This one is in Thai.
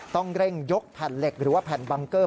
ต้องเร่งยกแผ่นเหล็กหรือว่าแผ่นบังเกอร์